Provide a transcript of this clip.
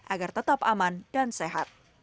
agar tetap aman dan sehat